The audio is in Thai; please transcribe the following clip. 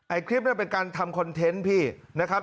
คลิปนั้นเป็นการทำคอนเทนต์พี่นะครับ